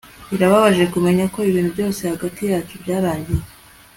Birababaje kumenya ko ibintu byose hagati yacu byarangiye